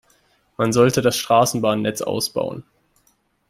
Man sollte das Straßenbahnnetz ausbauen.